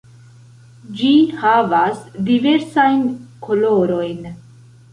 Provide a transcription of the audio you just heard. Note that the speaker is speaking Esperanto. Ĝi havas diversajn kolorojn.